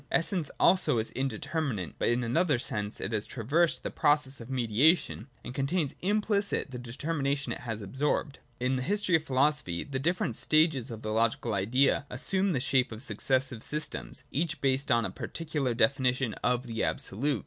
Essence also is indeterminate, but in another sense : it has traversed the process of mediation and contains implicit the determination it has absorbed. (2) In the history of philosophy the different stages of the logical Idea assume the shape of successive systems, each based on a particular definition of the Absolute.